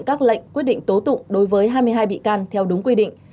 các lệnh quyết định tố tụng đối với hai mươi hai bị can theo đúng quy định